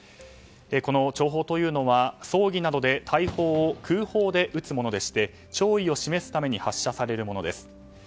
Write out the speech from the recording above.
この弔砲というのは葬儀などで大砲を空砲で撃つものでして弔意を示すために発射されるものです。